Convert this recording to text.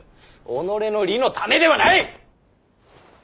己の利のためではない！